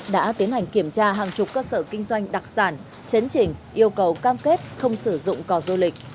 đã tiến hành kiểm tra hàng chục cơ sở kinh doanh đặc sản chấn trình yêu cầu cam kết không sử dụng cò du lịch